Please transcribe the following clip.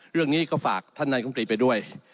เรื่องนี้ก็ฝากท่านนายกรรมตรีไปด้วย